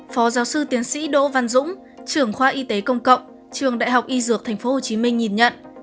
phó giáo sư tiến sĩ đỗ văn dũng trưởng khoa y tế công cộng trường đại học y dược tp hcm nhìn nhận